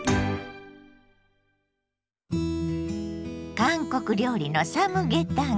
韓国料理のサムゲタン。